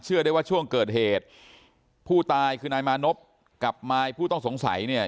ได้ว่าช่วงเกิดเหตุผู้ตายคือนายมานพกับมายผู้ต้องสงสัยเนี่ย